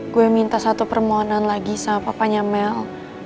gue minta satu permohonan lagi sama papanya mel